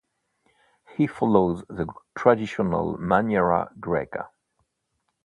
He follows the traditional maniera greca.